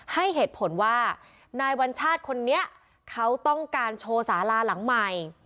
ให้เหตุผลว่านายวัญชาติคนนี้เขาต้องการโชว์สาราหลังใหม่